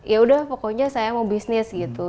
ya udah pokoknya saya mau bisnis gitu